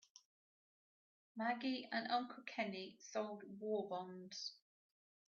Maggie and Uncle Kenny sold war bonds.